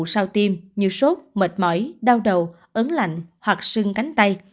sau tiêm như sốt mệt mỏi đau đầu ấn lạnh hoặc sưng cánh